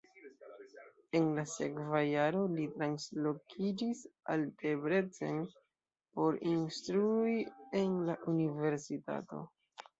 En la sekva jaro li translokiĝis al Debrecen por instrui en la universitato.